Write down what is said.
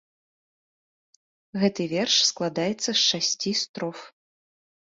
Гэта верш складаецца з шасці строф.